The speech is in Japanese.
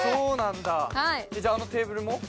じゃあ、あのテーブルも？